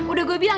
udah gue bilang